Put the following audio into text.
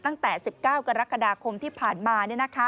ตั้งแต่๑๙กรกฎาคมที่ผ่านมา